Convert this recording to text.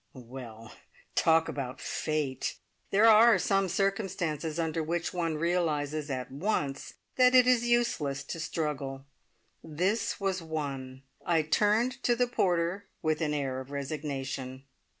Well, talk about fate! There are some circumstances under which one realises at once that it is useless to struggle. This was one! I turned to the porter with an air of resignation.